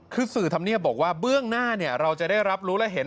คือสื่อธรรมเนียบบอกว่าเบื้องหน้าเราจะได้รับรู้และเห็น